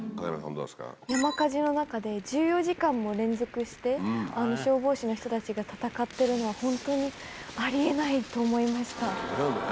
山火事の中で、１４時間も連続して、あの消防士の人たちが戦っているのは、本当にありえないそうだよね。